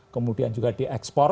kemudian juga diekspor